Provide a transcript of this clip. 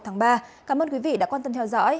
cảm ơn quý vị đã quan tâm theo dõi